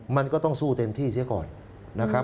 มันก็ต้องสู้เต็มที่เสียก่อนนะครับ